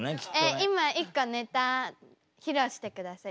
えっ今一個ネタ披露してください。